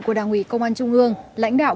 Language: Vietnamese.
của đảng ủy công an trung ương lãnh đạo